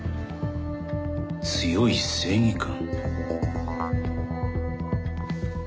強い正義感。